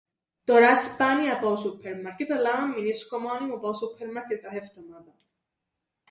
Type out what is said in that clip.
Τωρά σπάνια πάω σούππερμαρκετ αλλά άμαν μεινίσκω μόνη μου πάω σούππερμαρκετ κάθε εφτομάδαν